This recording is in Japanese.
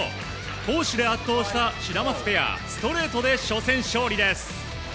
攻守で圧倒したシダマツペアストレートで初戦勝利です。